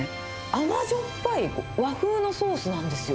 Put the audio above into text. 甘じょっぱい和風のソースなんですよ。